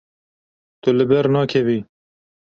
Tu li ber nakevî.